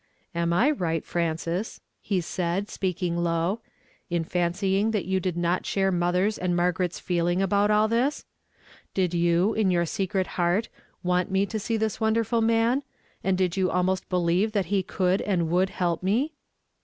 "Am I right, Frances," lie said, speaking low, *' in fancying that you did not share mother's and Margaret's feeling about all this? Did you, in your secret heart, want me to see this wonderful man, and did you almost believe that he could and Avould help me ?